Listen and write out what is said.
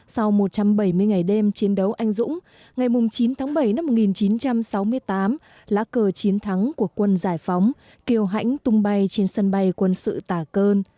sau một trăm bảy mươi ngày đêm chiến đấu anh dũng ngày chín tháng bảy năm một nghìn chín trăm sáu mươi tám lá cờ chiến thắng của quân giải phóng kiều hãnh tung bay trên sân bay quân sự tà cơn